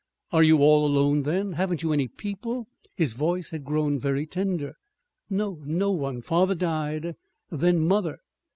"Are you all alone, then? Haven't you any people?" His voice had grown very tender. "No no one. Father died, then mother.